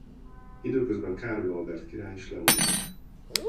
Időközben Károly Albert király is lemondott.